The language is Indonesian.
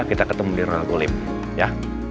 kita ketemu di rona kulim ya